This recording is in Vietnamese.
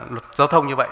luật giao thông như vậy